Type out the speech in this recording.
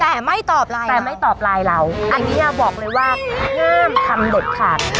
แต่ไม่ตอบไลน์แต่ไม่ตอบไลน์เราอันนี้บอกเลยว่าห้ามทำเด็ดขาด